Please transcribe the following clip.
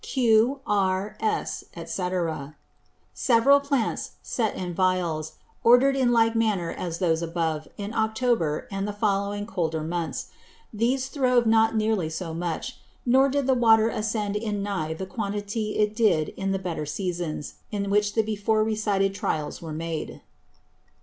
(Q, R, S, &c.) Several Plants set in Vials, ordered in like manner as those above, in October, and the following colder Months. These throve not near so much; nor did the Water ascend in nigh the quantity it did in the better Seasons, in which the before recited Trials were made.